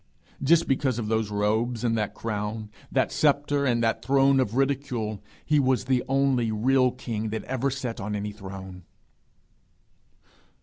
Just because of those robes and that crown, that sceptre and that throne of ridicule, he was the only real king that ever sat on any throne.